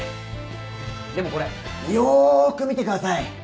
でもこれよく見てください。